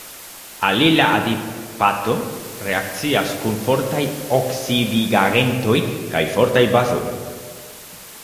Alila adipato reakcias kun fortaj oksidigagentoj kaj fortaj bazoj.